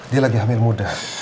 dia lagi hamil muda